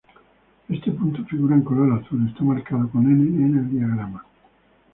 Este punto figura en color azul y está marcado como "N" en el diagrama.